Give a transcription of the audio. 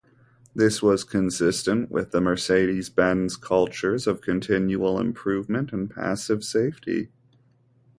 This was consistent with the Mercedes Benz cultures of continual improvement and passive safety.